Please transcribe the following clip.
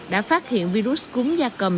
đã phát hiện virus cúm da cầm